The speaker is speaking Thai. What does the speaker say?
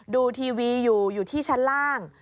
ดูทีวีอยู่อยู่ที่ชั้นล่าง